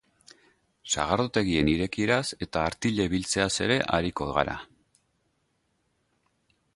Sagardotegien irekieraz eta artile biltzeaz ere ariko gara.